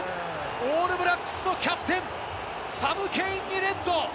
オールブラックスのキャプテン、サム・ケインにレッド！